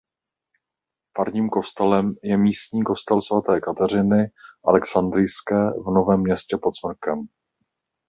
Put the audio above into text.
Farním kostelem je místní kostel svaté Kateřiny Alexandrijské v Novém Městě pod Smrkem.